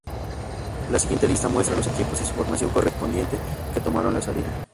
La siguiente lista muestra los equipos y su formación correspondiente que tomaron la salida.